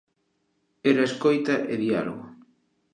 Era escoita e diálogo.